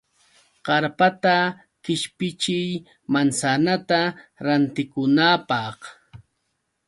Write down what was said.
Karpata qishpichiy manzanata rantikunaapaq.